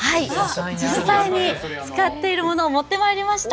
実際に使っているものを持ってまいりました。